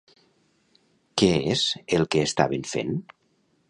Què és el que estaven fent?